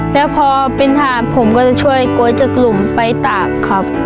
แล้วพอเป็นถาดผมก็จะช่วยก๊วยจากหลุมไปตากครับ